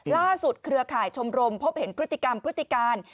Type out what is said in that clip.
เครือข่ายชมรมพบเห็นพฤติกรรมพฤติการ